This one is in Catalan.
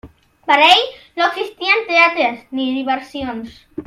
Per a ell no existien teatres ni diversions.